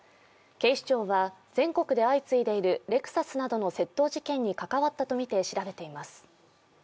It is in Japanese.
警視庁は全国で相次いでいるレクサスなどの窃盗事件に関わったとみています。